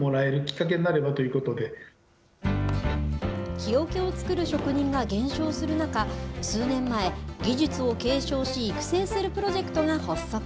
木おけを作る職人が減少する中、数年前、技術を継承し、育成するプロジェクトが発足。